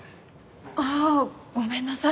ああごめんなさい。